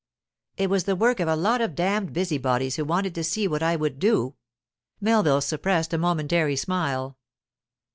'It was the work of a lot of damned busybodies who wanted to see what I would do.' Melville suppressed a momentary smile.